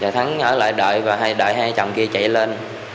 thắng ở lại đợi và hay đợi hai chồng kia chạy lên